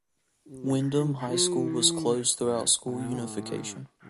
Windom High School was closed through school unification.